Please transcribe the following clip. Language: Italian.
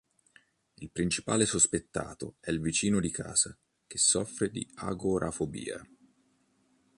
Il principale sospettato è il vicino di casa che soffre di agorafobia.